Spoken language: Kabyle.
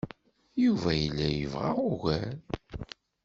Yuba yella yebɣa ugar.